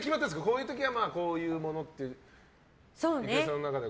こういう時はこういうものっていう郁恵さんの中で。